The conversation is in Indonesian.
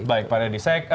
baik pak deddy